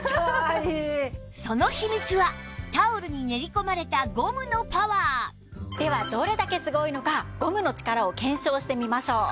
その秘密はタオルに練り込まれたゴムのパワーではどれだけすごいのかゴムの力を検証してみましょう。